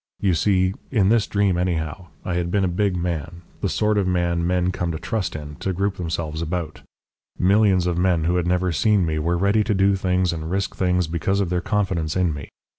You see in this dream, anyhow I had been a big man, the sort of man men come to trust in, to group themselves about. Millions of men who had never seen me were ready to do things and risk things because of their confidence in me.